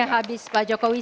waktunya habis pak jokowi